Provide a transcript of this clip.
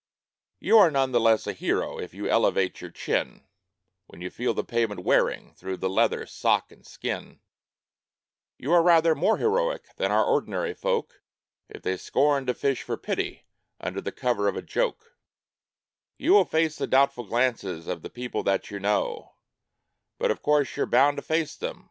You are none the less a hero if you elevate your chin When you feel the pavement wearing through the leather, sock and skin; You are rather more heroic than are ordinary folk If you scorn to fish for pity under cover of a joke; You will face the doubtful glances of the people that you know ; But of course, you're bound to face them when your pants begin to go.